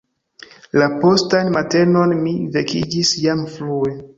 La postan matenon mi vekiĝis jam frue.